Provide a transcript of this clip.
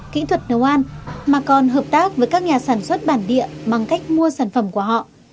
kỹ thuật nấu ăn mà còn hợp tác với các nhà sản xuất bản địa bằng cách mua sản phẩm của họ